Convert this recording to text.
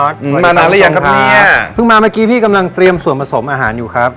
อืมมานานหรือยังครับเนี่ยเพิ่งมาเมื่อกี้พี่กำลังเตรียมส่วนผสมอาหารอยู่ครับ